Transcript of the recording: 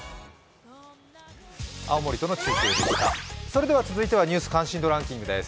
青森との中継でした続いては「ニュース関心度ランキング」です。